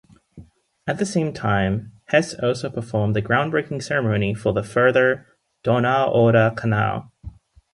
At the same time, Hess also performed the groundbreaking ceremony for the further "Donau-Oder-Kanal".